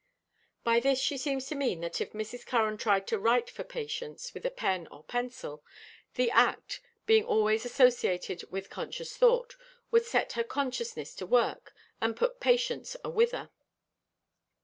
By this she seems to mean that if Mrs. Curran tried to write for Patience with a pen or pencil, the act, being always associated with conscious thought, would set her consciousness to work, and put Patience "awhither."